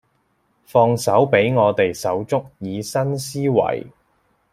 放手畀我哋手足以新思維